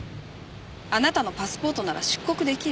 あなたのパスポートなら出国出来る。